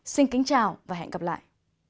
xin kính chào và hẹn gặp lại